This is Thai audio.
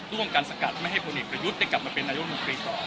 ร่วมการสกัดไม่ให้บุณิประยุทธ์ได้กลับมาเป็นนโยนบุคคลีต่อ